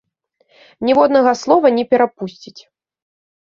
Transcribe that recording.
Ніводнага слова не перапусціць.